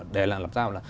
để làm sao là